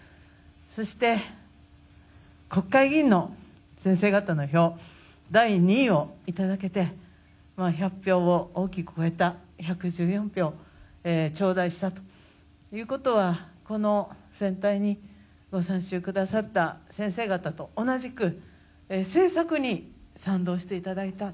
そして、国会議員の先生方の票第２位をいただけて１００票を大きく超えた１１４票をちょうだいしたということはこの選対にご参集くださった先生方と同じく政策に賛同していただいた。